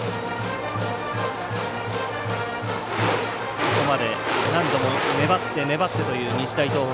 ここまで何度も粘って粘ってという日大東北。